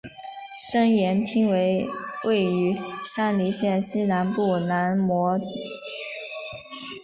身延町为位于山梨县西南部南巨摩郡的町。